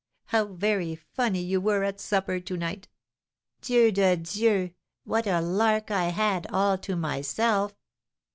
How very funny you were at supper to night! Dieu de Dieu! what a lark I had all to myself!